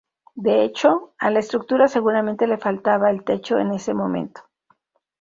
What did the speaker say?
De hecho, a la estructura seguramente le faltaba el techo en ese momento.